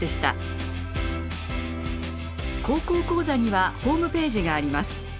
高校講座にはホームページがあります。